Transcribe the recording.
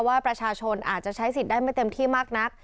ว่าประชาชนอาจจะใช้สิทธิ์ได้ไม่เต็มที่มากนัก